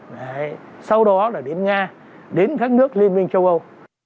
đấy sau đó là đến nga đến các nước liên minh châu âu